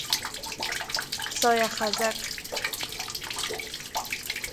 سایه خزک